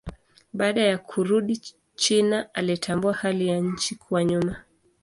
Baada ya kurudi China alitambua hali ya nchi kuwa nyuma.